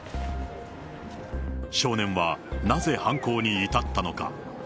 少年はなぜ犯行に至ったのか。